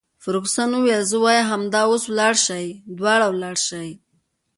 فرګوسن وویل: زه وایم همدا اوس ولاړ شئ، دواړه ولاړ شئ.